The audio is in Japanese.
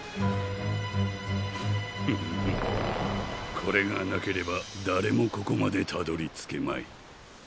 これがなければだれもここまでたどりつけまい。